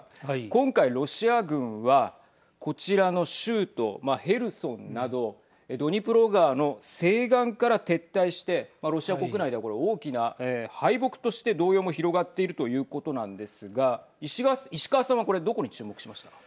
今回、ロシア軍はこちらの州都ヘルソンなどドニプロ川の西岸から撤退してロシア国内では、これ大きな敗北として動揺も広がっているということなんですが石川さんはこれどこに注目しましたか。